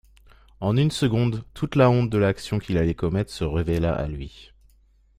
En une seconde, toute la honte de l'action qu'il allait commettre se révéla à lui.